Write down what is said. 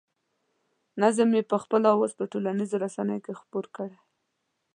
نظم یې په خپل اواز په ټولنیزو رسنیو کې خپور کړی.